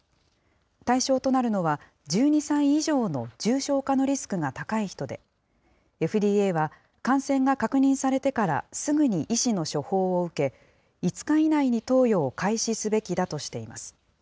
対象となるのは、１２歳以上の重症化のリスクが高い人で、ＦＤＡは感染が確認されてからすぐに医師の処方を受け、５日以内に投与を開始すべきだとしています。